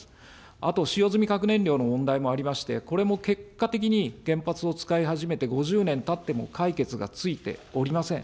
あと使用済み核燃料の問題もありまして、これも結果的に原発を使い始めて５０年たっても解決がついておりません。